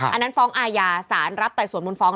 อันนั้นฟ้องอาญาสารรับไต่สวนมูลฟ้อง